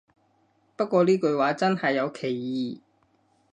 不過呢句話真係有歧義